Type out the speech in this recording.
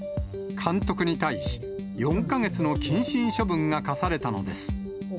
監督に対し、４か月の謹慎処分がかされたのです。